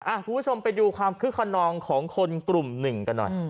คุณผู้ชมไปดูความคึกขนองของคนกลุ่มหนึ่งกันหน่อย